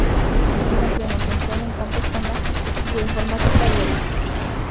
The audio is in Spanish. Ha sido ampliamente empleado en campos como la bioinformática y otros.